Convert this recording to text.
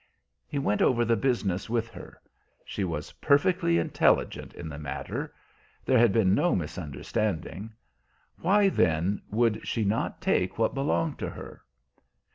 He went over the business with her. She was perfectly intelligent in the matter; there had been no misunderstanding. Why then would she not take what belonged to her?